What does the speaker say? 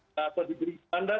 atau diberi mandat